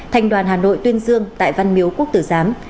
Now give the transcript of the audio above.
thành đoàn hà nội tuyên dương tại văn miếu quốc tử giám